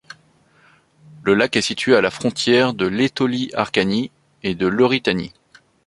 Le lac est situé à la frontière de l'Étolie-Acarnanie et de l'Eurytanie.